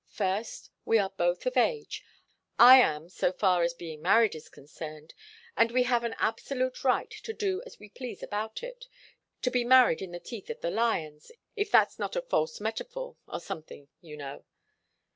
First, we are both of age I am so far as being married is concerned, and we have an absolute right to do as we please about it to be married in the teeth of the lions, if that's not a false metaphor or something you know."